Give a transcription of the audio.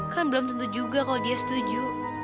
kan belum tentu juga kalau dia setuju